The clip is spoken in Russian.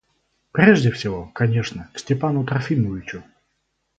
Прежде всего, конечно, к Степану Трофимовичу.